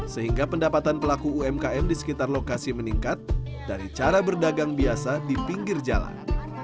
sehingga pendapatan pelaku umkm di sekitar lokasi meningkat dari cara berdagang biasa di pinggir jalan